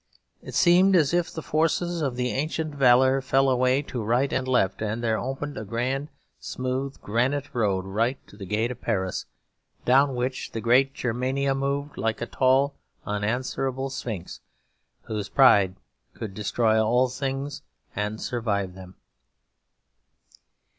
It seemed as if the forces of the ancient valour fell away to right and left; and there opened a grand, smooth granite road right to the gate of Paris, down which the great Germania moved like a tall, unanswerable sphinx, whose pride could destroy all things and survive them.